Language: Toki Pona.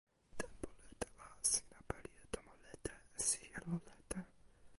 tenpo lete la sina pali e tomo lete e sijelo lete.